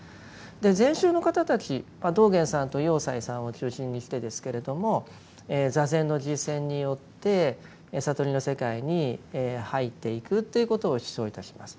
禅宗の方たち道元さんと栄西さんを中心にしてですけれども坐禅の実践によって悟りの世界に入っていくということを主張いたします。